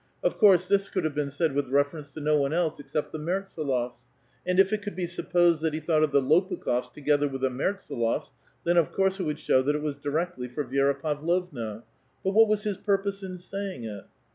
Of course, this could have been said "^^ith reference to no one else except the Mertsdlofs ; and if it ^isould be supposed tliat he thought of the Lopukh6rs together ^^ritb the Mertsdlofs, then, of course, it would show that it w'^s ^^irectly for Vi^ra Pavlovna ; but what was his pur[x>se in isaying it?